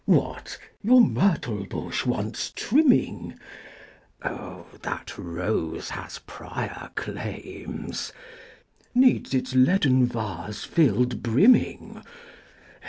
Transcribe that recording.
What? your myrtle bush wants trimming? Oh, that rose has prior claims Needs its leaden vase filled brimming?